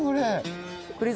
これ。